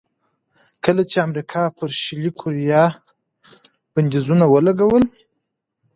کله چې امریکا پر شلي کوریا بندیزونه ولګول.